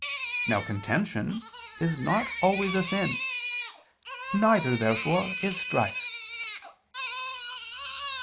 Now contention is not always a sin. Neither, therefore, is strife.